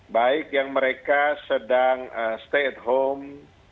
baik yang mereka sedang stay at home